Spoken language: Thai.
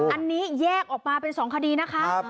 อันนี้แยกออกมาเป็น๒คดีนะคะ